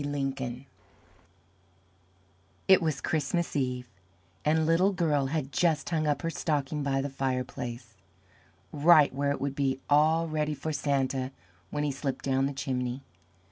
LINCOLN It was Christmas Eve, and Little Girl had just hung up her stocking by the fireplace right where it would be all ready for Santa when he slipped down the chimney.